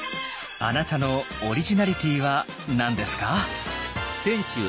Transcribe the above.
あなたのオリジナリティーは何ですか？